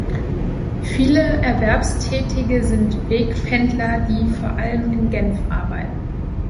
Viele Erwerbstätige sind Wegpendler, die vor allem in Genf arbeiten.